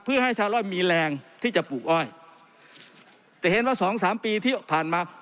เพื่อให้ชาวอ้อยมีแรงที่จะปลูกอ้อยแต่เห็นว่าสองสามปีที่ผ่านมา